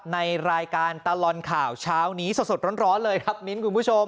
ในรายการตลอดข่าวเช้านี้สดร้อนเลยครับมิ้นคุณผู้ชม